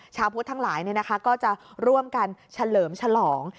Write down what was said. ชาวพุทธทั้งหลายก็จะร่วมกันเฉลิมฉลอง